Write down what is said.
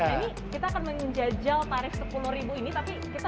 jadi kita akan menjajal tarif rp sepuluh ini tapi kita